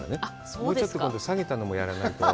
もうちょっと下げたのもやらないと。